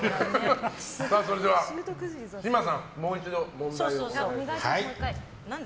それでは嶋さんもう一度問題を。